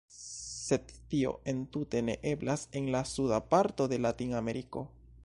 Sed tio entute ne eblas en la suda parto de Latin-Ameriko.